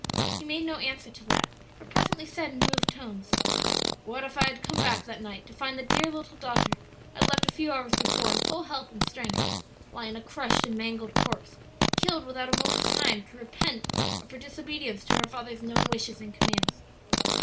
He made no answer to that, but presently said in moved tones, "What if I had come back that night to find the dear little daughter I had left a few hours before in full health and strength, lying a crushed and mangled corpse? killed without a moment's time to repent of her disobedience to her father's known wishes and commands?